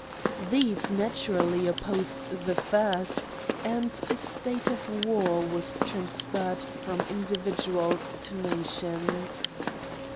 These naturally opposed the first, and a state of war was transferred from individuals to nations.